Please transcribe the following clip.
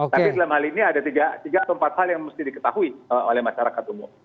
tapi dalam hal ini ada tiga atau empat hal yang mesti diketahui oleh masyarakat umum